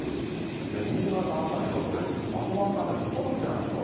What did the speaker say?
新潟辺りはこれ、まとまった雨、ほとんど降ってないでしょ。